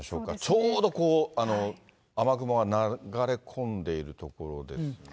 ちょうどこう、雨雲が流れ込んでいる所ですね。